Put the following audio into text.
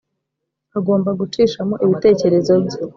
agomba gucishamo ibitekerezo bye.